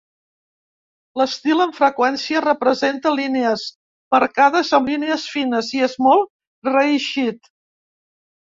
L'estil, amb freqüència, representa línies marcades amb línies fines, i és molt reeixit.